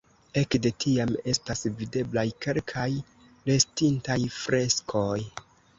Ekde tiam estas videblaj kelkaj restintaj freskoj.